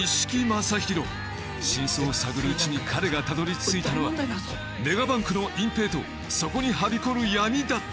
真相を探るうちに彼がたどり着いたのはメガバンクの隠蔽とそこにはびこる闇だった。